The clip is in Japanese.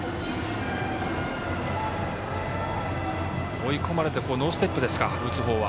追い込まれてノーステップですか、打つ方は。